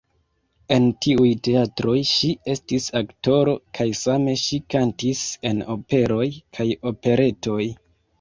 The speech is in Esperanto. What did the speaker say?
En tiuj teatroj ŝi estis aktoro kaj same ŝi kantis en operoj kaj operetoj.